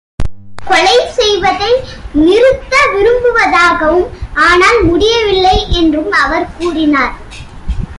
கொலை செய்வதை நிறுத்த விரும்புவதாகவும ஆனால் முடியவில்லை என்றும் அவர் கூறினார்.